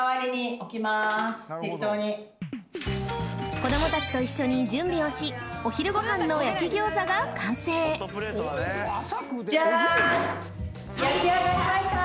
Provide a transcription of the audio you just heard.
子どもたちと一緒に準備をしお昼ご飯の焼餃子が完成焼き上がりました。